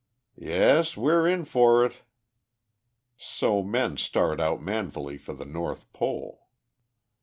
"Yes! we're in for it." So men start out manfully for the North Pole.